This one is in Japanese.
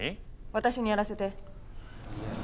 私にやらせて。